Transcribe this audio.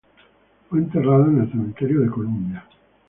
Fue enterrado en el cementerio de Columbia.